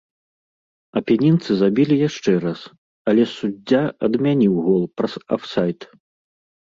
Апенінцы забілі яшчэ раз, але суддзя адмяніў гол праз афсайд.